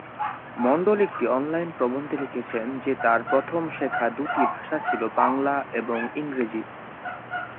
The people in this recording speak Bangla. মন্ডল একটি অনলাইন প্রবন্ধে লিখেছেন যে তাঁর প্রথম শেখা দুটি ভাষা ছিল বাংলা এবং ইংরেজি।